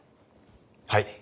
はい。